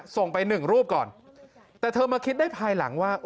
ส่งไปหนึ่งรูปก่อนแต่เธอมาคิดได้ภายหลังว่า